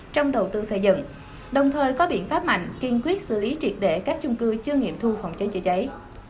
trong đầu tư xây dựng đồng thời có biện pháp mạnh kiên quyết xử lý triệt để các chung cư chưa nghiệm thu phòng cháy chữa cháy